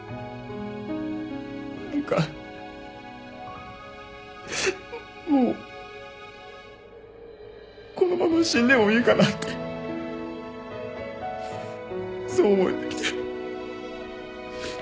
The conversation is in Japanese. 何かもうこのまま死んでもいいかなってそう思えてきて。